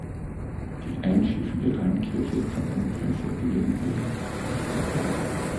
Die einschiffige Hallenkirche hat eine dreiseitige Empore.